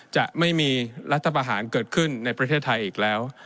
จะไม่มีรัฐประหารเกิดขึ้นในประเทศไทยอีกแล้ว